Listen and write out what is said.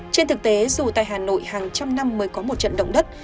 trên thực tế dù tại hà nội hàng trăm năm mới có một trận động đất